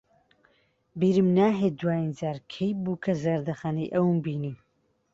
بیرم ناهێت دوایین جار کەی بوو کە زەردەخەنەی ئەوم بینی.